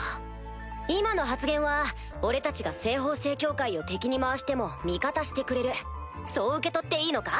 今の発言は俺たちが西方聖教会を敵に回しても味方してくれるそう受け取っていいのか？